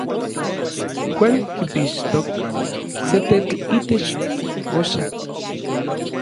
Juan kipixtok se tetl itech ipoxak.